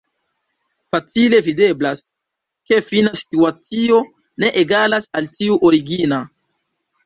Facile videblas, ke fina situacio ne egalas al tiu origina.